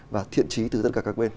và thiện trí từ tất cả các bên